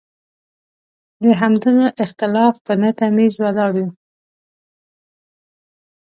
د همدغه اختلاف په نه تمیز ولاړ یو.